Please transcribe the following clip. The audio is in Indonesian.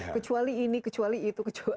kecuali ini kecuali itu